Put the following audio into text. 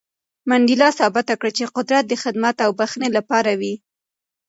منډېلا ثابته کړه چې قدرت د خدمت او بښنې لپاره وي.